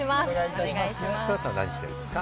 黒田さんは何してるんですか？